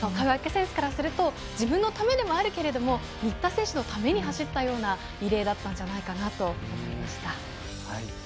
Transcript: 川除選手からすると自分のためでもあるけれども新田選手のために走ったようなリレーだったんじゃないかなと思いました。